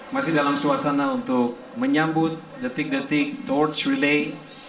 masih dalam suasana untuk menyambut detik detik torch relay